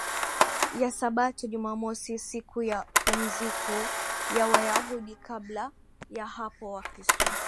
ya Sabato Jumamosi siku ya pumziko ya Wayahudi Kabla ya hapo Wakristo